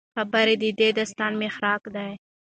خبرې د داستان محرک دي.